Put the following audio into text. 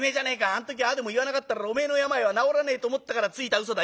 あん時ああでも言わなかったらおめえの病は治らねえと思ったからついたうそだ。